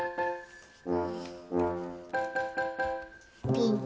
ピンク。